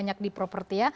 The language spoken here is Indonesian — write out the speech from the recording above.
banyak di properti ya